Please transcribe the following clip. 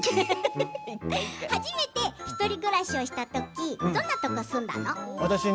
初めて１人暮らしをしたときってどんなところに住んだの？